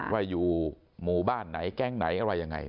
ว่าอยู่หมู่บ้านไหนแก๊งไหนอะไรยังไง